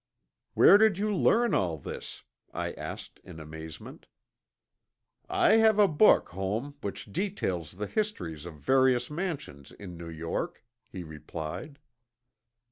"Where did you learn all this?" I asked in amazement. "I have a book home which details the histories of various mansions in New York," he replied.